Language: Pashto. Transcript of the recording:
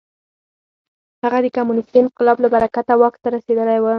هغه د کمونېستي انقلاب له برکته واک ته رسېدلی و.